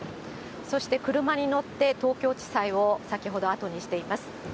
そして車に乗って、東京地裁を先ほど、後にしています。